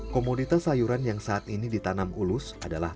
komoditas sayuran yang saat ini ditanam ulus adalah